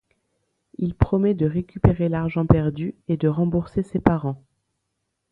Il promet de récupérer l'argent perdu et de rembourser ses parents.